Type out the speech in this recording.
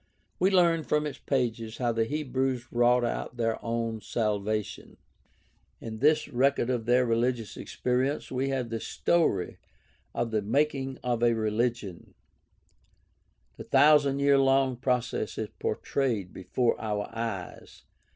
We learn from its pages how the Hebrews wrought out their own salvation. In this record of their religious experience we have the story of the making 156 GUIDE TO STUDY OF CHRISTIAN RELIGION of a religion. The thousand year long process is portrayed before our eyes.